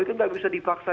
itu tidak bisa dipaksa